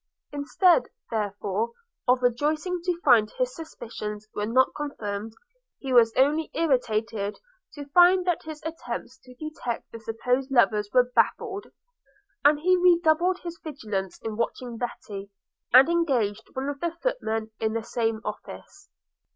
Instead, therefore, of rejoicing to find his suspicions were not confirmed, he was only irritated to find that his attempts to detect the supposed lovers were baffled; and he redoubled his vigilance in watching Betty, and engaged one of the footmen in the same office.